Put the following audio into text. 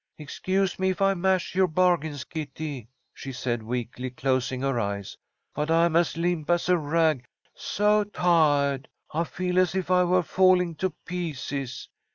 "Excuse me if I mash your bargains, Kitty," she said, weakly, closing her eyes. "But I'm as limp as a rag! So ti'ahed I feel as if I were falling to pieces.